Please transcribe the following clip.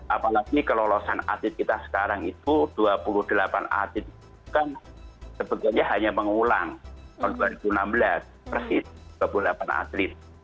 apalagi kelolosan atlet kita sekarang itu dua puluh delapan atlet itu kan sebetulnya hanya mengulang tahun dua ribu enam belas persis dua puluh delapan atlet